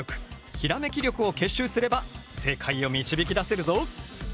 ひらめき力を結集すれば正解を導き出せるぞ。